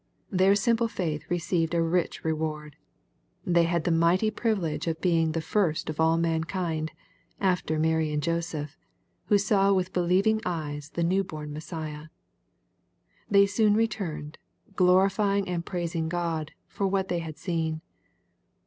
Their simple faith received a rich reward. They had the mighty privilege of being the first of all mankind, after Mary and Joseph, who saw with be lieving eyes the new born Messiah. They soon returned, " glorifying and praising God" for what they had seen.